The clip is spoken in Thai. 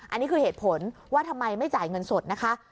อันนี้คือเหตุผลว่าทำไมไม่จ่ายเงินสดนะคะ